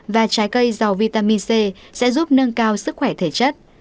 và trái cây giàu vitamin c sẽ giúp nâng cao sức khỏe thể chất